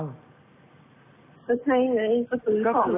ก็ใช่ไง